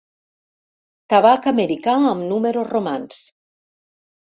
Tabac americà amb números romans.